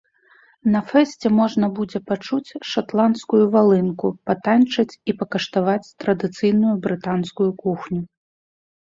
На фэсце можна будзе пачуць шатландскую валынку, патаньчыць і пакаштаваць традыцыйную брытанскую кухню.